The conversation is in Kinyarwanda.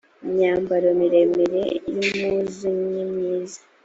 imyambaro miremire y impuzu nimyiza